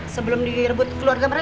sebelum direbut keluarga mereka